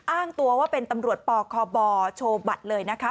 อ้างตัวว่าเป็นตำรวจปคบโชว์บัตรเลยนะคะ